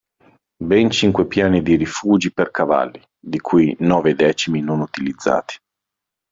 Ben cinque piani di rifugi per cavalli, di cui i nove decimi non utilizzati.